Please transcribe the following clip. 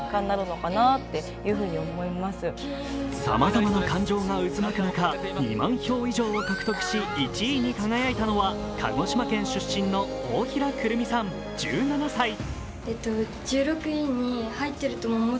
さまざまな感情が渦巻く中、２万票以上を獲得し１位に輝いたのは鹿児島県出身の大平くるみさん１７歳。